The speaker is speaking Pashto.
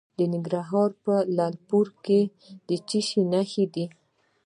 د ننګرهار په لعل پورې کې د څه شي نښې دي؟